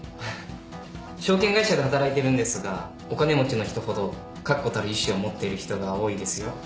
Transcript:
証券会社で働いてるんですがお金持ちの人ほど確固たる意志を持っている人が多いですよ。